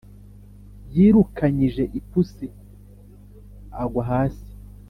Yirukanyije ipusi agwa hasi